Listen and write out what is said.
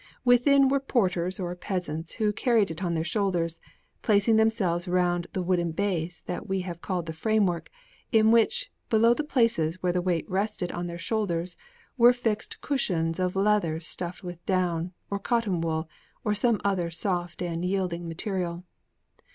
Within were porters or peasants, who carried it on their shoulders, placing themselves round the wooden base that we have called the framework, in which, below the places where the weight rested on their shoulders, were fixed cushions of leather stuffed with down, or cotton wool, or some other soft and yielding material.